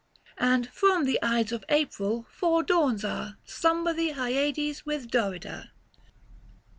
And from the Ides of April four dawns are, Slumber the Hyades with Dorida.